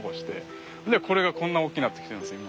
でこれがこんな大きなってきてるんですよ